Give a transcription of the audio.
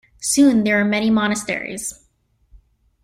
Soon there were many monasteries.